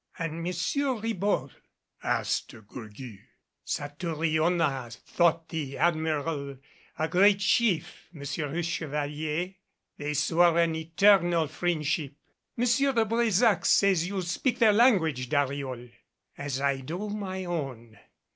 "And Monsieur Ribault?" asked de Gourgues. "Satouriona thought the Admiral a great chief, M. le Chevalier. They swore an eternal friendship." "M. de Brésac says you speak their language, Dariol." "As I do my own."